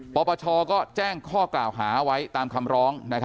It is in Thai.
ปปชก็แจ้งข้อกล่าวหาไว้ตามคำร้อง